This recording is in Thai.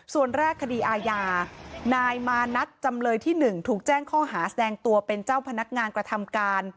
ส่วนแรกคดีอาญานายมานัดจำเลยที่๑ถูกแจ้งข้อหาแสดงตัวเป็นเจ้าพนักงานกระทำการ